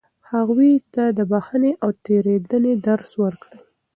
هغوی ته د بښنې او تېرېدنې درس ورکړئ.